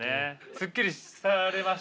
すっきりされました？